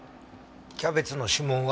キャベツの指紋は？